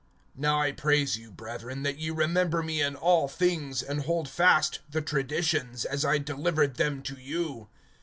(2)Now I praise you, brethren, that ye remember me in all things, and, hold fast the traditions[11:2], as I delivered them to you.